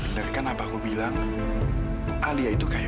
sampai jumpa di video selanjutnya